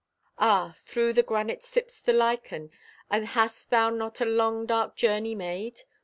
Ah, through the granite sips the lichen— And hast thou not a long dark journey made?